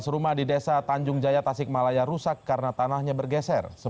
tiga ratus rumah di desa tanjung jaya tasikmalaya rusak karena tanahnya bergeser